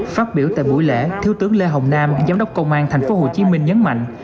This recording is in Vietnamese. phát biểu tại buổi lễ thiếu tướng lê hồng nam giám đốc công an tp hcm nhấn mạnh